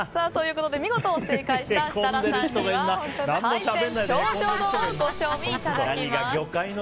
見事正解した設楽さんには海鮮頂上丼をご賞味いただきます。